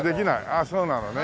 ああそうなのね。